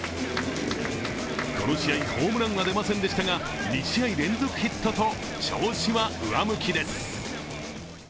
この試合、ホームランは出ませんでしたが、２試合連続ヒットと調子は上向きです。